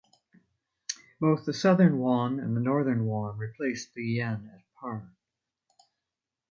Both the Southern won and the Northern won replaced the yen at par.